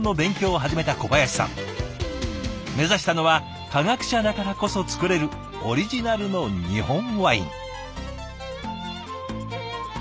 目指したのは科学者だからこそ造れるオリジナルの日本ワイン。